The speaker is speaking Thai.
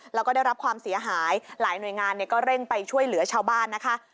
แล้วก็ได้รับความเสียหายหลายหน่วยงานก็เร่งไปช่วยเหลือชาวบ้านนะคะ